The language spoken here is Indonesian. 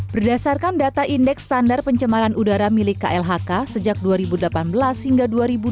berdasarkan data indeks standar pencemaran udara milik klhk sejak dua ribu delapan belas hingga dua ribu dua puluh